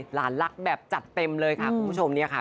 หลานรักแบบจัดเต็มเลยค่ะคุณผู้ชมเนี่ยค่ะ